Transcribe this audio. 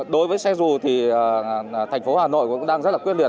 đối với xe dù thì thành phố hà nội cũng đang rất là quyết liệt